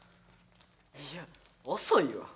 いや遅いわ！